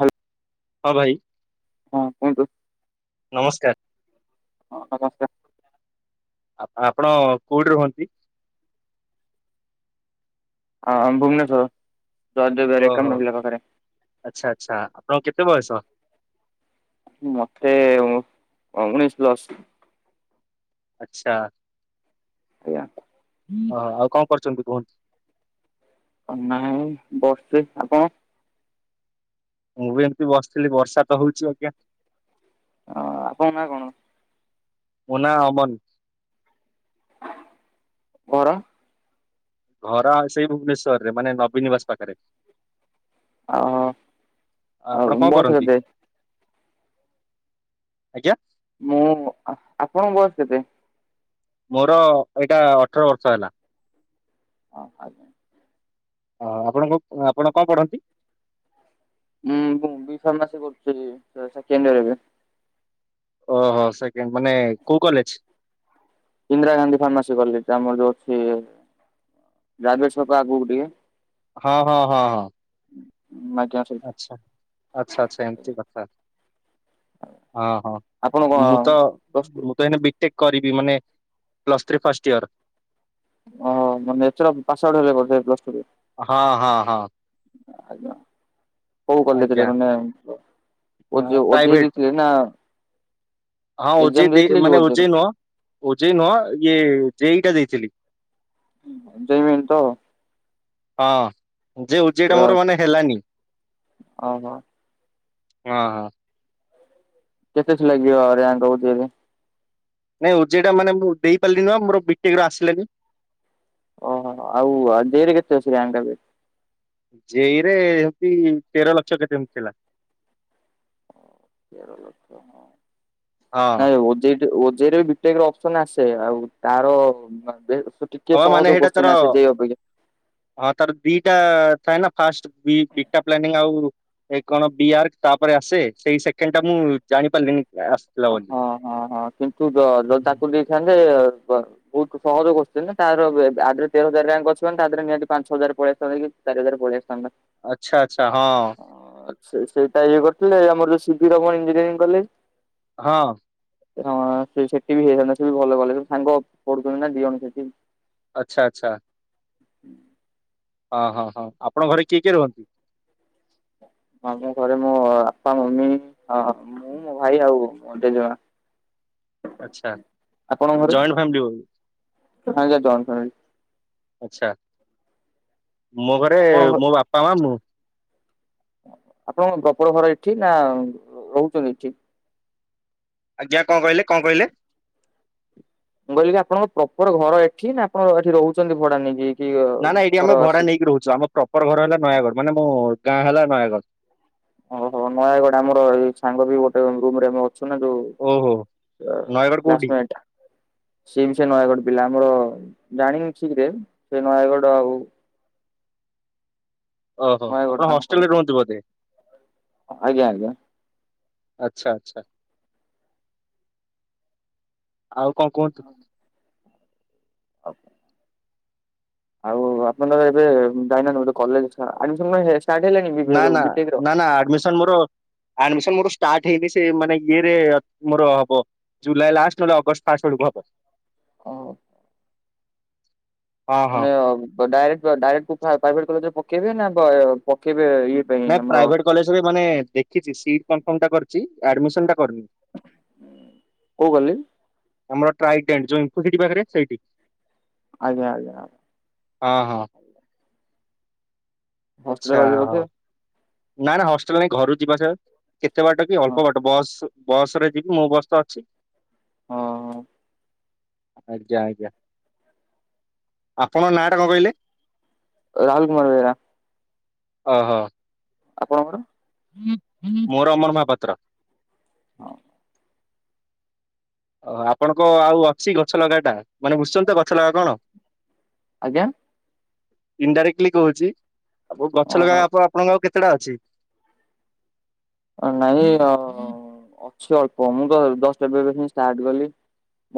ହା ହଁ ଭାଇ। ହଁ କୁହନ୍ତୁ। ନମସ୍କାର। ହଁ ନମସ୍କାର। ଆ-ଆପଣ କୋଉଠି ରୁହନ୍ତି? ହଁ ଭୁବନେଶ୍ଵର ଜୟଦେବ ବିହାର ଓହୋ ଏକାମ୍ର ବିଲା ପାଖରେ ଆଚ୍ଛା ଆଚ୍ଛା ଆପଣଙ୍କ କେତେ ବୟସ? ମତେ ଉଣେଇଶି ପ୍ଲସ। ଆଚ୍ଛା ଆଜ୍ଞା ଓ ହୋ ଆଉ କଣ କରୁଚନ୍ତି କୁହ ଆ ନାଇଁ ବସିଚି। ଆପଣ? ମୁଁ ବି ଏମିତି ବସିଥିଲି ବର୍ଷା ତ ହୋଉଚି ଆଜ୍ଞା। ଆ-ଆପଣଙ୍କ ନାଁ କଣ? ମୋ ନାଁ ଅମନ। ଘର? ଘର ଆଉ ସେଇ ଭୁବନେଶ୍ଵର ରେ ମାନେ ନବୀନ ନିବାସ ପାଖରେ। ଆ ଆପଣ ଆଉ କଣ ବୟସ କରନ୍ତି? କେତେ ଆଜ୍ଞା? ମୁଁ ଆପଣଙ୍କ ବୟସ କେତେ? ମୋର ଏଇଟା ଅଠର ବର୍ଷ ହେଲା। ଅ ହଁ ଆଜ୍ଞା। ଓ ଆପଣଙ୍କୁ ଆପଣ କଣ ପଢନ୍ତି? ମୁଁ ବି ଫାର୍ମାସି କରୁଚି ସେକେଣ୍ଡଇୟର ଏବେ। ଓହୋ ସେକେଣ୍ଡ ମାନେ କୋଉ college? Indira Gandhi pharmacy college ଆମର ଯୋଉ ଅଛି ଗ୍ରାବେଦ ଛକ ଆଗକୁ ଟିକେ। ହଁ ହଁ ହଁ। [unintelligible] ଆଚ୍ଛା। ଆଚ୍ଛା ଆଚ୍ଛା ଏମିତି କଥା। ଓ ହୋ। ଆପଣ କଣ ମୁଁ ତ ପ୍ଲସ ଟୁ ମୁଁ ତ ଏଇନେ ବିଟେକ୍ କରିବି ମାନେ ପ୍ଲସ୍ ଥ୍ରୀ ଫାଷ୍ଟ ଇୟର। ଓ ମାନେ ଏଥର ପାସ ଆଉଟ ହେଲେ ବଧେ ପ୍ଲସ ଥ୍ରୀ ରେ। ହଁ ହଁ ହଁ। ଆଜ୍ଞା। କୋଉ କଲେଜ ରେ ଆଜ୍ଞା ମାନେ ମ ଓଜେଇ ଓଜେଇ ପ୍ରାଇଭେଟ ଦେଇଥିଲେ ନା। ହଁ ଏକ୍ଜାମ ଓଜେଇ ଦେଇ ଦେଇଥିଲେ କି ମାନେ ଓଜେର? ଓଜେଇ ନୁହଁ ଓଜେଇ ନୁହଁ ଇଏ ଜେଇଟା ଦେଇଥିଲି। ଜେଇମେନ୍ ତ। ହଁ ଯେ ଯେଟା ମୋର ମାନେ ହେଲାନି। ଓହୋ ହଁ ହଁ। [unintelligible] ଲାଗିବ ରାଙ୍କ ହଉଚି ଏବେ। ନାଇଁ ଓଜେଇ ଟା ମାନେ ମୁଁ ଦେଇପାରିଲିନି ବା ମୋର ବିଟେକ ର ଆସିଲାନି। ଓହୋ ଆଉ ଜେଇ ରେ କେତେ ଅଛି ରାଙ୍କ ଏବେ? ଜେଇ ରେ ଏମତି ତେର ଲକ୍ଷ କେତେ ଏମିତି ଥିଲା। ତେର ଲକ୍ଷ ହଁ। ହଁ ନାଇଁ ଓଜେଇ ଓଜେଇ ରେ ବିଟେକ୍ ର ଅପସନ ଆସେ। ଆଉ ତାର ବାପି ଭାଇ ର। [unintelligible] ଟିକେ ହବା ସହଜ ମାନେ ସେଇଟା ତାର କ୍ୱେସଚୀନ୍ ଆସେ ଜେଇ ଅପେକ୍ଷା। ହଁ ତାର ଦିଟା ଥାଏ ନା ଫାଷ୍ଟ ପି ବିଟା ପ୍ଲାନିଙ୍ଗ ଆଉ ଏ କଣ ବି ଆର୍ ତାପରେ ଆସେ ସେଇ ସେକେଣ୍ଡ ଟା ମୁଁ ଜାଣି ପାରିଲିନି ଆ ଓ ହଁ ହଁ ହଁ କିନ୍ତୁ ଯ ଯଉ ତାକୁ ଦେଇଥାନ୍ତେ ବହୁତ ସହଜ କ୍ୱେଶ୍ଚିନ୍ ଟା ତାର ଆଥେରେ ତେର ହଜାର ରାଙ୍କ ଅଛି ମାନେ ତାଥେରେ ନିହାତି ପାଞ୍ଚ ହଜାର ପଳେଇ। [unintelligible] ଚାରି ହଜାର ପଳେଇ ଆସିଥାନ୍ତା। ଆଚ୍ଛା ଆଚ୍ଛା ହଁ। ଆଛା ସେଇଟା ଇଏ କରିୁଥିଲେ ଆମରୋଉ ସିଭି ରମଣ ଇଞ୍ଜିନିୟରିଂ କଲେଜ। ହଁ। ହଁ ସେ ସେଠି ବି ହେଇଥାନ୍ତା ସେ ବି ଭଲ କଲେଜ୍ ସାଙ୍ଗ ପଢୁଛନ୍ତି ନା ଦି ଜଣ ସେଠି। ଆଚ୍ଛା ଆଚ୍ଛା। ହଁ ହଁ ହଁ। ଆପଣ ଘରେ କିଏ କିଏ ରୁହନ୍ତି? ଆମ ଘରେ ମୋ ବାପା ମମି ମୁଁ ମୋ ଭାଇ ଆଉ ମୋ ଜେଜେମା। ଆଚ୍ଛା। ଆପଣଙ୍କ ଘରେ ଜଏଣ୍ଟ ଫ୍ୟମିଲି ବୋଧେ? ହଁ ଜଏଣ୍ଟ ଫ୍ୟାମିଲି ଆଛା। ମୋ ଘରେ ଆପଣଙ୍କ ମୋ ବାପା ମା ମୁଁ। ଆପଣଙ୍କ ପ୍ରପର ଘର ଏଠି ନା ରହୁଛନ୍ତି ଏଠି? ଆଜ୍ଞା କଣ କହିଲେ କଣ କହିଲେ? ମୁଁ କହିଲି ଆପଣଙ୍କ ପ୍ରପର ଘର ଏଠି ନା ଆପଣ ଏଠି ରହୁଛନ୍ତି ଭଡା ନେଇକି? କି ନା ନା ଏଇଠି ଘର ଆମେ ଭଡ଼ା ଆସିକି? ନେଇକି ରହୁଚୁ। ଆମର ପ୍ରପର ଘର ହେଲା ନୟାଗଡ଼। ମାନେ ମୋ ଗାଁ ହେଲା ନୟାଗଡ଼। ଓହୋ ନୟାଗଡ ଆମର ଏଇ ସାଙ୍ଗ ବି ଗୋଟେ ରୁମ ରେ ଆମେ ଅଛୁ ନା ଯୋଉ ଓହୋ ନୟାଗଡ଼ କୋଉଠି ଲ୍ସ୍ ମିନିଟ। ସେିମ ସେ ନୟାଗଡ଼ ପିଲା ଆମର ଜାଣିନି ଠିକ ରେ ସେ ନୟାଗଡ ଆଉ ଓହୋ ନୟାଗଡ଼ ଆପଣ ହଷ୍ଟେଲ ତାଙ୍କର ରେ ରୁହନ୍ତିିବ ବୋଧେ। ଆଜ୍ଞା ଆଜ୍ଞା ଆଚ୍ଛା ଆଚ୍ଛା ଆଉ କଣ କୁହନ୍ତୁ ଆଛ ଆଉ ଆପଣଙ୍କର ଏବେ ଯାଇନା ଗୋଟେ କଲେ ଆଡମି ହେ ନା ନା ନା ଆଡମିସନ ମୋର ଆଡମିସନ ମୋର ଷ୍ଟାର୍ଟ ହେଇନି ସେ ମାନେ ଇଏରେ ମୋର ହବ ଜୁଲାଇ ଲଷ୍ଟ ନହେଲେ ଅଗଷ୍ଟ ଫାଷ୍ଟେଳକୁ ହବ ଅ ହଁ ହଁ। ଡାଇକ୍ଟ ଡାଇଟ ପ୍ରାଇଭେଟ କଲେଜରେ ପକେଇବେ ନା ପକେଇବେ ପାଇଁ ନାଇଁ ଆମର ପ୍ରାଇଭେଟ କଲେଜରେ ମାନେ ଦେଖିଛି ସିଟର୍ମା କରି ଆଡମିନ ଟା କରିନି କେଉଁ କଲିଣି ଆମର ଟ୍ରାଇଡ ଯଉୁ ସେଠି ପାଖରେ ସେଇଠି ଆଜା ଆଜା ଆା ହଁ ହଁ ହଷ୍ଟେଲରେ ଆଚ୍ଛା ରହିବେ ହଁ ବୋଧେ ନାାଇ ନା ହଷ୍ଟେଲ ନାଇଁ ଘରୁ ଯିବାସ କେତେ ବାଟ କି ହଁ ଅଳ୍ପ ବାଟ ବସ୍ ବସ ରେ ଯିବି ମୁଁ ବସ୍ ତ ଅଛି ହଁ ହଁ ଆଜ୍ଞା ଆଜ୍ଞା ଆପଣଙ୍କ ନାଁଟା କଣ କହିଲେ ରାାଲ କୁମାର ବରା ଓହୋ ଆପଣଙ୍କର ମୋର ଅମର ମହାପାତ୍ର ହଁ ଓ ଆପଣଙ୍କ ଆଉ ଅଛି ଗଛ ଲଗା ଟା ମାନେ ବୁଝୁଛନ୍ତି ତ ଗଛ ଲଗା କଣ ଆଜ୍ଞା ଇନଡାଇରେକ୍ଟଲି କହୁଛି ଆ ଗଛ ଲଗା ଓହୋ ଆପଣଙ୍କ ଆଉ କେତେଟା ଅଛି ନାଇଁ ଅଛି ଅଳ୍ପ ମୁଁ ଦଶଟା ବ ପ ଷ୍ଟାର୍ଟ କଲି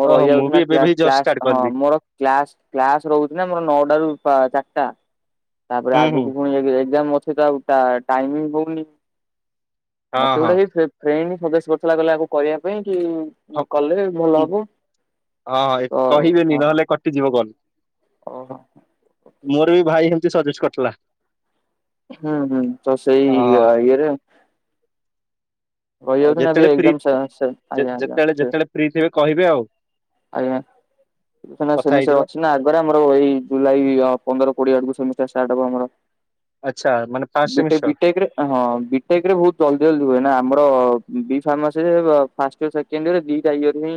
ମୋ ଓହୋ ମୁଁ ରହିଯାଉଛି ବି ନା ଏବେ ବି ଜଷ୍ଟ ଷ୍ଟାର୍ଟ କ୍ସ ହଁ କଲି ମୋର କ୍ଲାସ୍ କ୍ଲାସ ରହୁଛି ନା ଆମର ନଅଟ ର ଚାରିଟା ତାପରେ ହୁଁ ହୁଁ। ଆଗକୁ ପୁଣି ଏକ୍ଜାମ ଅଛି ତ ଆଉ ଟାଇମିଙ୍ଗ କଉନି ହଁ ମତେ ହଁ ଗୋଟେ ସେଇ ଫ୍ରେଣ୍ଡ ସଦେଶୀ ବର୍ଷ ଲାଗଲେ ଆକୁ କରିବା ପାଇଁ କି ହଁ କଲେ ଭଲ ହବ ହଁଁ ତ ଏ କହିବେନି ହଁ ନହେଲେ କଟିଯିବ କହଣ ଓହୋ ମୋର ବି ଭାଇ ସେମତି ସଜେଜ କରିଥିଲା ହୁଁ ହୁଁ ତ ସେଇ ଅ ଇଏରେ ଆଉ ରହିଯାଉଛି ନା ଏବେ ଯେତେବେଳେି ଏକ୍ଜାମ ଆଜ୍ଞା ଆଜ୍ଞା ଯେତେଳେ ଯେତେବେଳେ ଫ୍ରି ଥିବେ କହିବେ ଆଉ ଆଜ୍ଞା ସେ କଥା ବିଷୟରେ ହେଇଯିବା। ଅଛି ନା ଆମର ଏଇ ଜୁଲାଇ ପନ୍ଦର କୋଡିଏ ଆଡିବ ଆମର ଆଚ୍ଛା ମାନେ ଫାଷ୍ଟ ବିଟେ ସେମିଷ୍ଟର ବିଟେକରେ ହଁ ବିଟେକରେ ବହୁତ ଜଲଦି ଜଲଦି ହୁଏ ଆମର ଫସ କେରେେଡିଦ ଆାଇଯରେ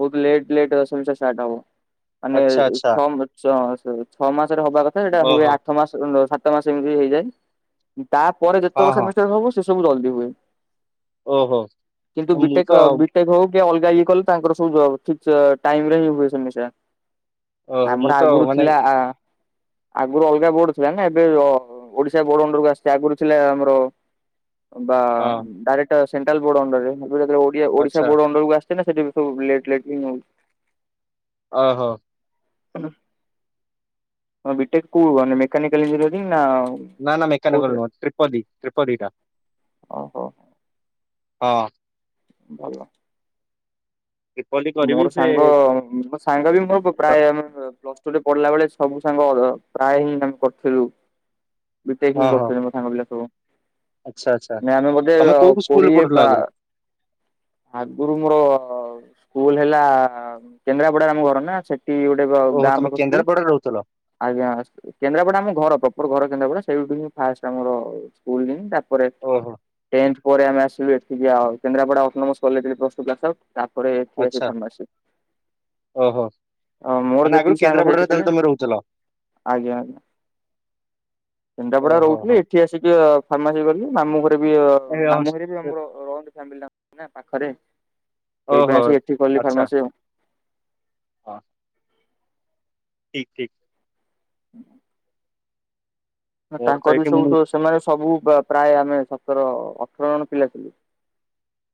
ବହୁତ ଲେଟ୍ ଲେଟ ଦଶମିଷ ଷ୍ଟାର୍ଟ ହବ ମାନେ ଆଚ୍ଛା ଆଚ୍ଛା ଛଅ ମା ଛଅ ମାସରେ ହବା କଥା ସେଟା ହୁଏ ଓହୋ ଆଠ ମାସ ସାତ ମାସମିତି ହେଇଯାଏ ତାପରେ ହଁ ହଁ ଯେତେକମିଷ୍ଟ ହବ ସେ ସବୁ ଜଲଦି ହୁଏ ଓହୋ କିନ୍ତୁ ମୁଁ ବିଟେ ତ ବିଟେକ୍ ହଉ କି ଅଲଗା ଇଏ କଲେୁ ତାଙ୍କର ଠିକ୍ ଟାଇମ ରେ ହ ହୁଏ ସମ ଓହୋ ମୁଁ ଆମର ତ ଆଗରୁ ମାନେ ଥିଲା ଆ ଆଗରୁ ଅଲଗା ବୋର୍ଡ ଥିଲା ନା ଏବେ ଅ ଓଡିଶା ବୋର୍ଡ ଅଣ୍ଡରକୁ ଆସିଛି ଆଗରୁ ଥିଲା ଆମର ବା ହଁ ଡାଇରେକ୍ଟ ସେଣ୍ଟ୍ରାଲ ବୋର୍ଡ ଅଣ୍ଡରରେ ମୁଁ କହିଲି ଜେତେବେଳେ ଓଡ଼ିଆ ଆଚ୍ଛା ଓଡିଶା ବୋର୍ଡ ଅଣ୍ଡରକୁ ଆସିଥିଲା ସେଠି ସବୁ ଲେଟ ଲେଟ ବି ନଉ। ଓହୋ। ଟମ ବିଟେକ କୋଉ [unintelligible] ମାନେ ମେକାନିକାଲ ଇଞ୍ଜିନିୟ ନା ନା ନା ମୋନେକଲ କୋଉଥିରେ? ନୁହ ତ୍ରିପଦୀ ତ୍ରିପଦୀଟା ଓହୋ ହଁ। ଭଲ। ତ୍ରିପଦୀ କରିବି ମୋର ସେ ସାଙ୍ଗ [unintelligible] ସାଙ୍ଗ ବି ମୋର ପ୍ରାୟ ପ୍ଲସ ଟୁରେ ପଢିଲା ବେଳେ ସବୁ ସାଙ୍ଗ ପ୍ରାୟ ହିଁ ଆମେ କରିଥିଲୁ। ବିଟେକ ହି ଓହୋ କରୁଥିଲେ ମୋ ସାଙ୍ଗ ପିଲା ସବୁ ଆଚ୍ଛା ଆଚ୍ଛା ମାନେ ଆମେ ବୋଧେ ତମେ କୋଉ ସ୍କୁଲରେ କୋଡିଏ ପଢୁଥିଲ ବା ଆଗରୁ? ଆଗରୁ ମୋର ସ୍କୁଲ ହେଲା କେନ୍ଦ୍ରାପଡ଼ାର ଆମ ଘର ନା ସେଠି ଗୋଟେ ଓହୋ ଗାଁ ତମେ ପାଖ ସ୍କୁଲ। କେନ୍ଦ୍ରାପଡାରେ ରହୁଥିଲ ଆଜ୍ଞା ଅ କେନ୍ଦ୍ରାପଡା ଆମ ଘର ପ୍ରପର ଘର କେନ୍ଦ୍ରାପଡା ସେଇଠୁ ହି ଫାଷ୍ଟ ଆମର ସ୍କୁଲ ହିଁ ତାପରେ ଓହୋ। ଟେନ୍ଥ ପରେ ଆମେ ଆସିଲୁ ଏଠିକି ଆଉ କେନ୍ଦ୍ରାପଡ଼ା ଅଟୋନମଲ୍ଲା କଲେଜ ରେ [unintelligible] ଆଉ ତାପରେ [unintelligible] ଆଚ୍ଛା ଫାରମାସୀ ଓହୋ ଆ ମୋର ମାନେ ଆଗରୁ ଯେତିକି ସାଙ୍ଗ ସେଇଠି କେନ୍ଦ୍ରାପଡାରେ ତାହେଲେ ଥିଲା। ତମେ ରହୁଥିଲ ଆଜ୍ଞା କେନ୍ଦ୍ରାପଡା ଓହୋ ରହୁଥିଲି। ହୋ ଏଠି ଆସିକି ଫାର୍ମାସି କଲି ମାମୁ ଘରେ ବି ମାମୁ ଘରେ ବି ଆମର ରହନ୍ତି ଫ୍ୟାମିଲିଟାଙ୍କ ନାଁ ପାଖରେ ସେଇ ପାଇଁ ଓହୋ ଆସି ଏଠି କଲି ଆଚ୍ଛା ଫାରମାସି ହଁ ଠିକ ଠିକ। ହୁଁ ମୋର ତ ତାଙ୍କର ବି ଏଇଠି ମୁଁ ସବୁୁ ସେମାନେ ସବୁ ପ୍ରାୟ ଆମେ ସତର ଅଠର ଜଣ ପିଲା ଥିଲୁ।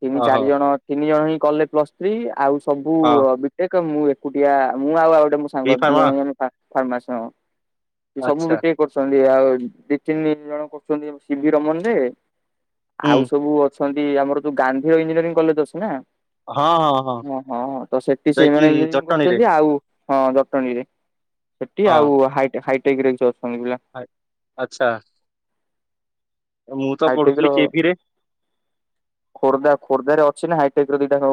ତିନି ଓହୋ ଚାରି ଜଣ ତିନି ଜଣ ହିଁ କଲେ ପ୍ଲସ ଥ୍ରୀ ଆଉ ସବୁ ହଁ ବି ଦେ ମୁଁ ଏକୁଟିଆ ମୁଁ ଆଉ ଆଉ ଗୋଟେ ମୋ ବି ସାଙ୍ଗ ଦି ଫାର୍ମା ଜଣ ଫ-ଫାମାସି ହଁ ସବୁ ଆଚ୍ଛା ବିଟିକେ କରୁଛନ୍ତି ଆଉ ଦି ତିନି ଜଣ କରୁଛନ୍ତି ଶିବି ରମନରେ ହୁଁ ଆଉ ସବୁ ଅଛନ୍ତି ଆମର ଯଉ ଗାନ୍ଧୀର ଇଞ୍ଜିନିୟରିଂ କଲେଜ ଅଛି ନା। ହଁ ହଁ ହଁ। ହଁ ହଁ ହଁ ତ ସେଠି ଯାଇକି ସେଇମାନେ ଇଞ୍ଜିନିୟରିଂ ଜଟଣୀରେ କରୁଛନ୍ତି ଆଉ ହଁ ଜଟଣୀରେ। ସେଠି ହଁ ଆଉ ହାଇଟେକ ରେ ଅଛନ୍ତି ପିଲା। ଆ ଆଚ୍ଛା। ମୁଁ ତ ହାଇଟେକ ପଢୁଥିଲି ର କେଭି ରେ ଖୋର୍ଦ୍ଧା ଖୋର୍ଦ୍ଧାରେ ଅଛି ନା ହାଇଟେକ ର ଦିଟା ଗୋ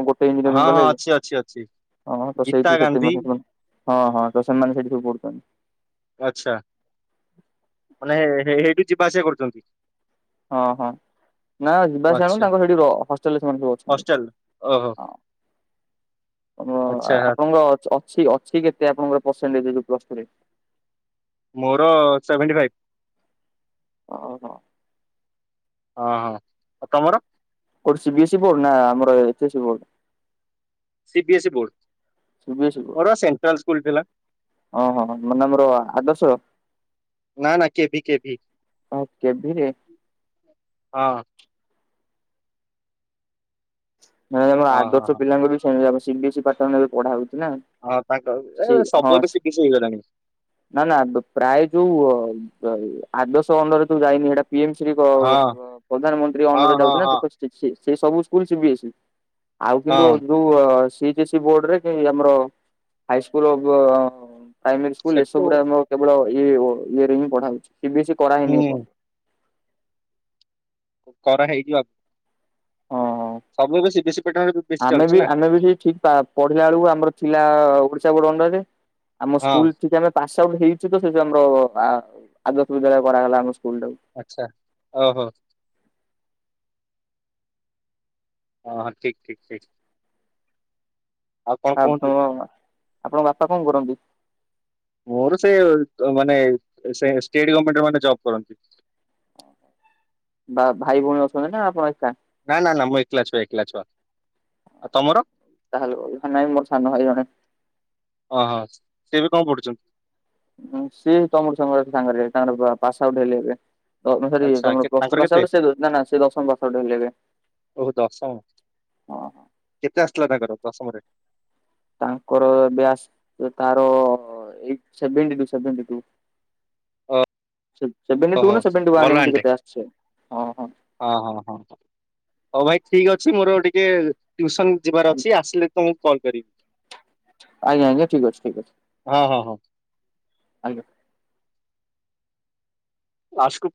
ହଁ [unintelligible] ହଁ କଲେଜ ଅଛି ଅଛି ଅଛି ହଁ ତ ଗୀତା ସେଇଠି ଗାନ୍ଧୀ [unintelligible] ହଁ ହଁ ତ ସେମାନେ ସେଇଠ ସବୁ ପଢୁଛନ୍ତି। ଆଛା ମାନେ ଏଁ ହେଇଠୁ ଯିବା ଆସିବା କରୁଛନ୍ତି। ହଁ ହଁ ନା ଯିବାସ ଆଣୁ ଆଚ୍ଛା ତାଙ୍କର ସେଠି ହଷ୍ଟେଲରେ ସେମାନେ ସବୁ ଅଛନ୍ତି। ହଷ୍ଟେଲ ଓହୋ ହଁ ଉଁ ଆଚ୍ଛା ଆପଣଙ୍କ ଅଛି ଅଛି କେତେ ଆପଣଙ୍କର ପରସେଣ୍ଟଜ ପ୍ଲସ ଥ୍ରୀ ରେ ମୋର ସେଭେଣ୍ଟି ଫାଇଭ। ଓହୋ। ହଁ ହଁ ଆଉ ତମର? କଉଠି ସିବି ଏସି ବୋର୍ଡ ନା ଆମର H AC board ସିବିି AC board C B ମୋର ସେଣ୍ଟ୍ରାଲ ସ୍କୁଲ ଥିଲା। ଓଁ ହଁ ମାନେ ଆମର ଆଦର୍ଶ। ନା ନା କେଭିି କେଭିି କେଭିରେ ହଁ। ନାଇ ଆମ ହଁ ହଁ ଆଦର୍ଶ ହଁ ପିଲାଙ୍କୁ ବି ସେମତି ସିବି ଏସି ପାର୍ଟନରରେ ପାଠ ବି ପଢା ହଉଛି ନା। ହଁ ତାଙ୍କ ସେ ଏ ହଁ ସବୁ ଏଵେ ସିବି ଏସି ହେଇଗଲାଣି। ନା ନା ପ୍ରାୟ ଯୋଉ ଆଦଶ ଅଣ୍ଡରରେ ଯୋ ଯାଇନି ଏଇଟା। ପି ଏମ ସି ବି ହଁ ପ୍ରଧାନମନ୍ତ୍ରୀ ହଁ ଅଣ୍ଡରରେ ହଁ ଯାଉଚି ନା। ହଁ ସେ ସବୁ [unintelligible] ଆଉ କିନ୍ତୁ ହଁ ଯୋଉ ସି ଏଚ ସି ବୋର୍ଡରେ କି ଆମର ହାଇସ୍କୁଲ ଅ ପ୍ରାଇମେରୀ ସ୍କୁଲ ସେଠୁ ଏସବୁରେ ଆମର କେବଳ ଇରେ ହିଁ ପଢା ହଉଛି। ସିବି ଏସ୍ଇ କରାହେଇନି ହୁଁ। ଏପଯ୍ୟନ୍ତ। କରା ହେଇଯିବ। ଏପର୍ଯ୍ୟନ୍ତ। ସବୁ ଏବେ ବେଶୀ ପେଟରେ ବେଶୀ ଆମେ ଚାଲିଛି ବି ନା। ଆମେ ବି ସେ ଠିକ୍ ପା ପଢିଲା ବେଳକୁ ଆମର ଥିଲା ଓଡିଶା ବୋଡ ଅଣ୍ଡରରେ। ଆମ ହଁ। ସ୍କୁଲ ଠିକ୍ ଆମେ ପାସ୍ ଆଉଟ୍ ହେଇଛି ତ ସେ ଯଉ ଆମର ଆ ଆଦର୍ଶ ବିଦ୍ୟାଳୟ କରାଗଲା ଆମ ସ୍କୁଲ ଟାକୁ। ଆଚ୍ଛା ଓହୋ। ହଁ ହଁ ଠିକ୍ ଠିକ୍ ଠିକ୍। ଆଉ କଣ କୁହନ୍ତୁ? ଆପଣ ଆପଣଙ୍କ ବାପା କଣ କରନ୍ତି? ମୋର ସେ ମାନେ ଷ୍ଟେଟ ଗଭଣମେଣ୍ଟ ମାନେ ଜବ୍ କରନ୍ତି। ବା ଭାଇ ଭଉଣୀ ଅଛନ୍ତି ନା ଆପଣ ଏକା। ନା ନା ନା ମୁଁ ଏକେଲା ଛୁଆ ଏକଲା ଛୁଆ। ଆଉ ତମର। ତାହେଲେ ଓ ନାଇଁ ସାନ ଭାଇ ଜଣେ। ଓହୋ ସେ ବି କଣ ପଢୁଛନ୍ତି? ସିଏ ତମର ସାଙ୍ଗରେ ସାଙ୍ଗରେ ତାଙ୍କର ପାସ୍ ଆଉଟ୍ ହେଲେ ଏବେ। ତ ସରି ଆଚ୍ଛା ତମର କେ- ପ୍ଲସ ତାଙ୍କର ଟୁ ପାସ୍ କେତେ ଆଉଟ୍ ନା ନା ସେ ଦଶମ ପାସ୍ ଆଉଟ୍ ହେଲେ ଏବେ। ଓହୋ ଦଶମ ହଁ କେତେ ଆସଥିଲା ତାଙ୍କର ଦଶମରେ। ତାଙ୍କର ବ୍ୟାସ ତାର eighty seventy two seventy two. ହଁ। ସେଭେଣ୍ଟିଟୁ ନା ସେଭେଣ୍ଟିୱାନ ଏମିତି ଆଣ୍ଟି କେତେ ଆସିଛି ହଁ ହଁ। ହଁ ହଁ ହଁ ହଉ ଭାଇ ଠିକ୍ ଅଛି। ମୋର ଟିକେ ଟ୍ୟୁସନ ଯିବାର ଅଛି। ଆସିଲେ ତମକୁ କଲ୍ କରିବି। ଆଜ୍ଞା ଆଜ୍ଞା ଠିକ୍ ଅଛି। ଠିକ୍ ଅଛି। ହଁ ହଁ ହଁ। ଆଜ୍ଞା। ୱାସକୁ